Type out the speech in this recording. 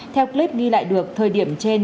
theo clip đi lại được thời điểm trên